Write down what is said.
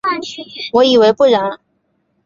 我认为不然。